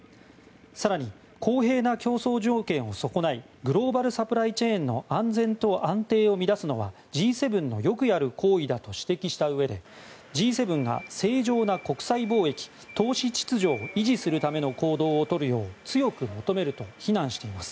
更に、公平な競争条件を損ないグローバル・サプライチェーンの安全と安定を乱すのはＧ７のよくやる行為だと指摘したうえでＧ７が正常な国際貿易・投資秩序を維持するための行動をとるよう強く求めると非難しています。